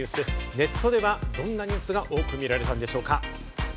ネットでは、どんなニュースが多く見られたんでしょうか？